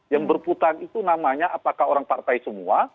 yang berputar itu namanya apakah orang partai semua